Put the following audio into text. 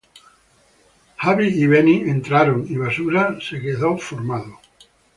Xabi y Beni entraron y Basura quedó formado.